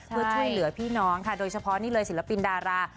เพื่อช่วยเหลือพี่น้องค่ะโดยเฉพาะนี่เลยศิลปินดารา